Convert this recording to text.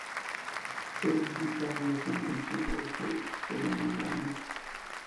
Fue representado en la Convención de Aguascalientes por Ramón Gámez.